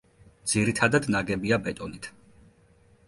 ძირითადად ნაგებია ბეტონით.